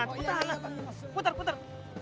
putar lah putar putar